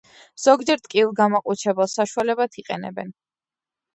ზოგჯერ ტკივილგამაყუჩებელ საშუალებად იყენებენ.